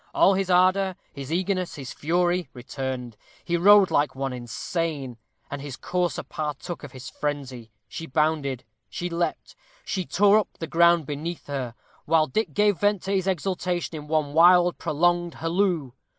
All his ardor, his eagerness, his fury, returned. He rode like one insane, and his courser partook of his frenzy. She bounded; she leaped; she tore up the ground beneath her; while Dick gave vent to his exultation in one wild, prolonged halloo.